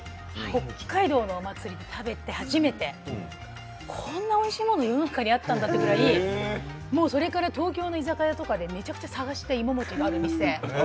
北海道のお祭りで食べて初めてこんなおいしいもの世の中にあったんだというぐらいそれから東京の居酒屋で探していももちのある店。